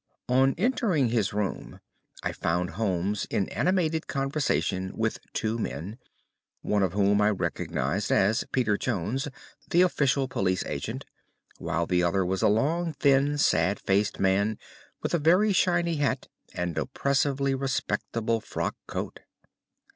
On entering his room, I found Holmes in animated conversation with two men, one of whom I recognised as Peter Jones, the official police agent, while the other was a long, thin, sad faced man, with a very shiny hat and oppressively respectable frock coat.